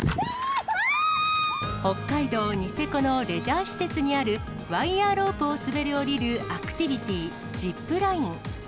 北海道ニセコのレジャー施設にあるワイヤロープを滑り降りるアクティビティ、ジップライン。